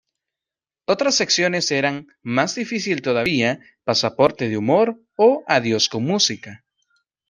Otras secciones eran "Más difícil todavía", "Pasaporte del humor" o "Adiós con música".